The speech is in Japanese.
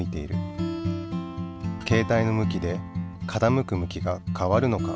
けい帯の向きで傾く向きが変わるのか？